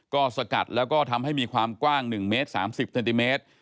ก็สกัดแล้วก็ทำให้มีความกว้าง๑เมตร๓๐เซนติเมตร